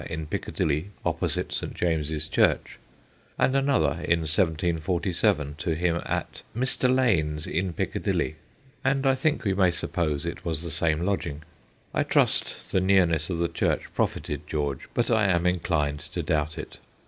in Piccadilly opposite St. James's Church/ and another in 1747 to him 'at Mr. Lane's, in Piccadilly,' and I think we may suppose it was the same lodging. I trust the nearness of the church profited George, but I am inclined to doubt it.